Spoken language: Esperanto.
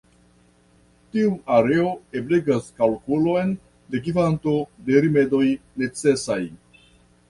Tiu areo ebligas kalkulon de kvanto de rimedoj necesaj.